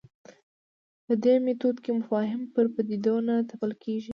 په دې میتود کې مفاهیم پر پدیدو نه تپل کېږي.